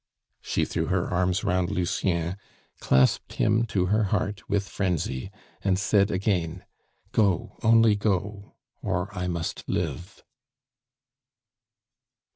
She threw her arms round Lucien, clasped him to her heart with frenzy, and said again: "Go, only go or I must live."